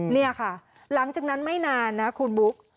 นี่ค่ะหลังจากนั้นไม่นานนะคุณบุ๊ค